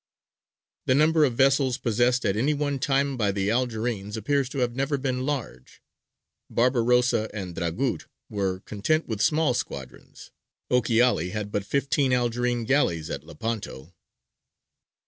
The number of vessels possessed at any one time by the Algerines appears to have never been large. Barbarossa and Dragut were content with small squadrons. Ochiali had but fifteen Algerine galleys at Lepanto.